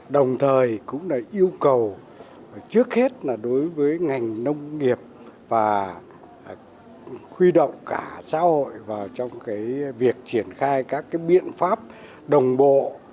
đồng thời cũng là yêu cầu trước hết là đối với ngành nông nghiệp và huy động cả xã hội vào trong việc triển khai các biện pháp đồng bộ